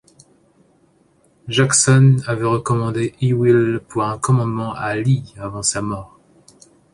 Jackson avait recommandé Ewell pour un commandement à Lee avant sa mort.